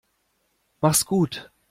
Mach's gut.